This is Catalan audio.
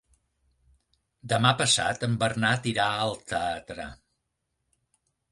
Demà passat en Bernat irà al teatre.